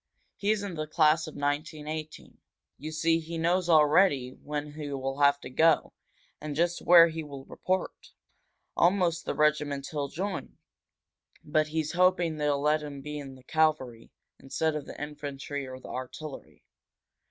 He's in the class of 1918. You see, he knows already when he will have to go, and just where he will report almost the regiment he'll join. But he's hoping they'll let him be in the cavalry, instead of the infantry or the artillery."